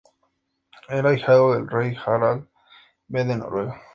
Era ahijado del rey Harald V de Noruega.